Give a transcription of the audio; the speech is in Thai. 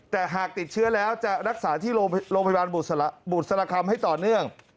แต่หากติดเชื้อแล้วจะรักษาที่โรงพยาบาลบุษรคำให้ต่อเนื่อง